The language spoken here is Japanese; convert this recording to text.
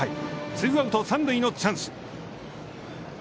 ツーアウト、三塁のチャンス。